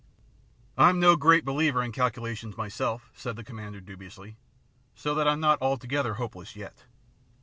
" I'm no great believer in calculations myself," said the commander dubiously, "so that I'm not altogether hopeless yet."